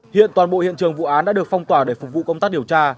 hiện toàn bộ hiện trường vụ án đã được phong tỏa để phục vụ công tác điều tra